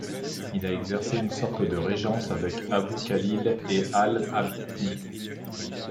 Il a exercé une sorte de régence avec Abû Khalil al-`Abdîy.